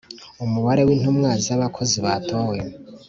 Umubare w intumwa z abakozi batowe